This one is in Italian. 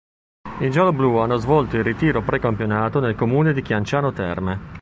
I gialloblù hanno svolto il ritiro precampionato nel comune di Chianciano Terme.